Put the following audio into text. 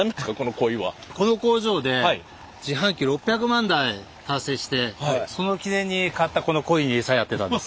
この工場で自販機６００万台達成してその記念に買ったこのコイにエサやってたんです。